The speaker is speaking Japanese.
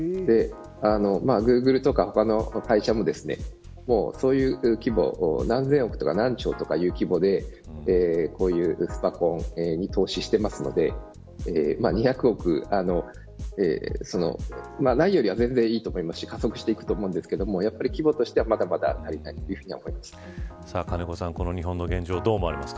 グーグルとか他の会社もそういう規模何千億とか何兆という規模でこういうスパコンに投資していますので２００億、ないよりは全然いいと思いますし、加速していくと思いますが、規模としてはまだまだつれないと思います。